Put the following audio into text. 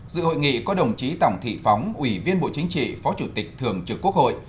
dự hội nghị có đồng chí tổng thị phóng ủy viên bộ chính trị phó chủ tịch thường trực quốc hội